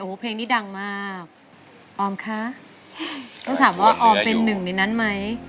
เพลงนี้ดังมากออมคะต้องถามว่าออมเป็นหนึ่งในนั้นไหม